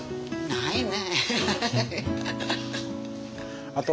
ないね。